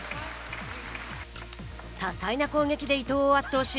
多彩な攻撃で伊藤を圧倒し